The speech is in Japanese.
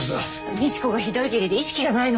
ミチコがひどい下痢で意識がないの。